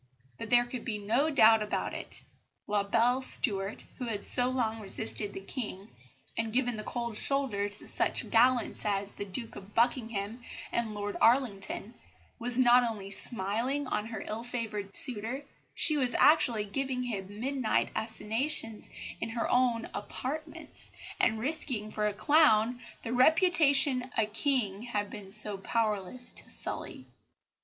But there could be no doubt about it. La belle Stuart, who had so long resisted the King, and given the cold shoulder to such gallants as the Duke of Buckingham and Lord Arlington, was not only smiling on her ill favoured suitor, she was actually giving him midnight assignations in her own apartments, and risking for a clown the reputation a King had been powerless to sully.